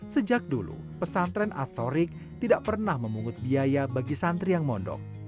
sejak dulu pesantren atorik tidak pernah memungut biaya bagi santri yang mondok